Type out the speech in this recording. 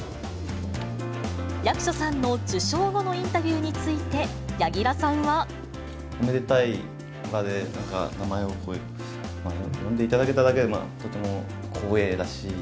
役所さんの受賞後のインタビューについて、柳楽さんは。おめでたい場で、なんかこうやって名前を読んでいただけただけでも、とても光栄だし。